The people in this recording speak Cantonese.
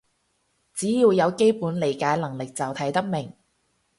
只要有基本理解能力就睇得明